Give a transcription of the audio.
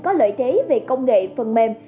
có lợi thế về công nghệ phần mềm